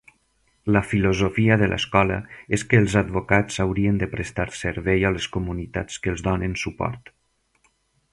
La filosofia de l'escola és que els advocats haurien de prestar servei a les comunitats que els donen suport.